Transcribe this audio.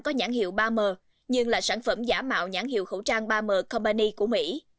có nhãn hiệu ba m nhưng là sản phẩm giả mạo nhãn hiệu khẩu trang ba m combany của mỹ